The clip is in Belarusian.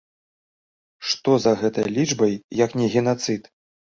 Што за гэтай лічбай, як не генацыд?